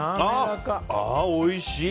ああ、おいしい。